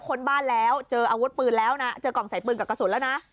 ค้นบ้านแล้วเจออาวุธปืนแล้วนะเจอกล่องใส่ปืนกับกระสุนแล้วนะ